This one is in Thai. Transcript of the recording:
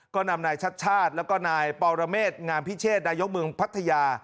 ก็นำนายชัดชาติแล้วก็นายปรเมษงามพิเชษนายกเมืองพัทยา